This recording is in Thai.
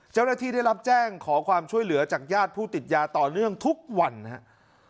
เจ้าหน้าที่ได้รับแจ้งขอความช่วยเหลือจากญาติผู้ติดยาต่อเนื่องทุกวันนะครับ